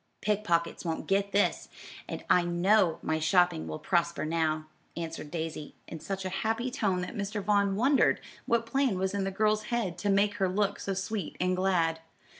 "Pick pockets wont get this, and I know my shopping will prosper now," answered Daisy, in such a happy tone that Mr. Vaughn wondered what plan was in the girl's head to make her look so sweet and glad.